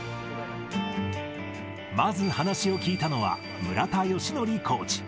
まず話を聞いたのは、村田善則コーチ。